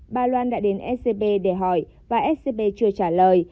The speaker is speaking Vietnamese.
bà loan đã đến scb để hỏi và scb chưa trả lời